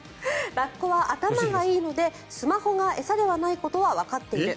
ラッコは頭がいいのでスマホが餌ではないことはわかっている。